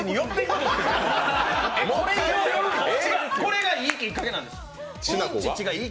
うんちっちが、いいきっかけなんです。